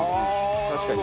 確かに。